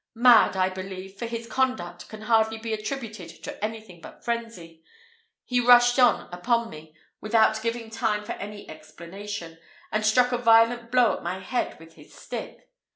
Mad, I believe for his conduct can hardly be attributed to anything but frenzy he rushed on upon me without giving time for any explanation, and struck a violent blow at my head with his stick.